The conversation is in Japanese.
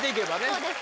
そうです